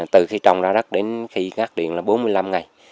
từ khi trồng ra đất đến khi cắt điện là bốn mươi năm ngày